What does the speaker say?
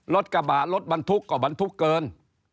ลดกระบะลดบรรทุกก็บรรทุกเกิน